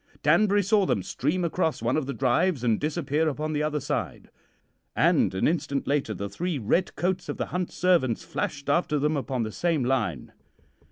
Danbury saw them stream across one of the drives and disappear upon the other side, and an instant later the three red coats of the hunt servants flashed after them upon the same line.